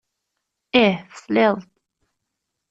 Ih tesliḍ-d!